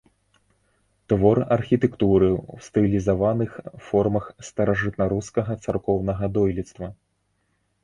Твор архітэктуры ў стылізаваных формах старажытнарускага царкоўнага дойлідства.